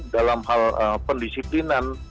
dalam hal pendisiplinan